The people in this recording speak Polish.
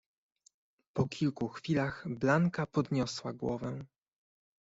"Po kilku chwilach Blanka podniosła głowę."